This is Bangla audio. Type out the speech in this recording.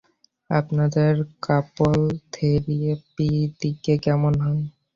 আপনাদের কাপল থেরাপি দিকে কেমন হয়?